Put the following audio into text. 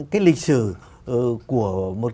cái lịch sử của một